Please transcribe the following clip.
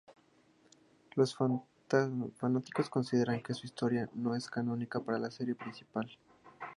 Los fanáticos consideran que su historia no es canónica para la serie principal.